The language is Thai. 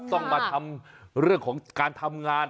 ต้องมาทำเรื่องของการทำงาน